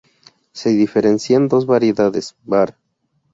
Se diferencian dos variedades: var.